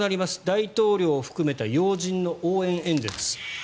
大統領を含めた要人の応援演説。